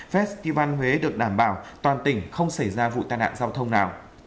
festival huế được đảm bảo toàn tỉnh không xảy ra vụ tai nạn giao thông nào